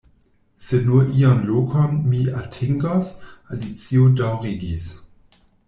"Se nur iun lokon mi atingos," Alicio daŭrigis.